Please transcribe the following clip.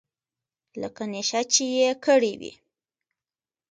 لکه نېشه چې يې کړې وي.